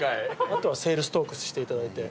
あとはセールストークしていただいて。